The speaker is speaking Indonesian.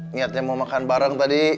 niatnya mau makan bareng tadi